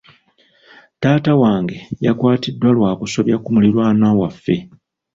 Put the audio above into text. Taata wange yakwatiddwa lwa kusobya ku muliraanwa waffe.